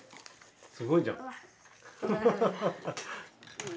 すごいじゃん。